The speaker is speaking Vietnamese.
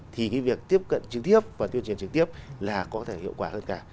thì cái việc tiếp cận trực tiếp và tuyên truyền trực tiếp là có thể hiệu quả hơn cả